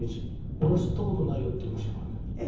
「俺吸った事ないよ」って言いましたからね。